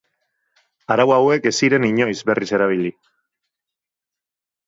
Arau hauek ez ziren inoiz berriz erabili.